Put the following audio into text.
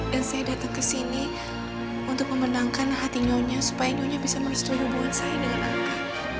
dan saya datang kesini untuk memenangkan hati nyonya supaya nyonya bisa merestu hubungan saya dengan anda